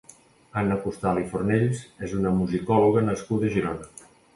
Anna Costal i Fornells és una musicòloga nascuda a Girona.